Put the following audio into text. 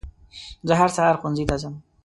زه هر سهار ښوونځي ته ځم.